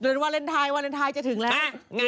บรรเวินไทยบรรเวินไทยจะถึงแล้ว